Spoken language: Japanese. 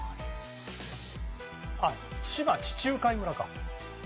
あっ志摩地中海村か。